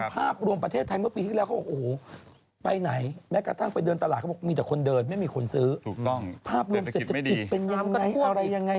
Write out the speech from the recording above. ภายธรรมชาติก็แรงเดือนนี้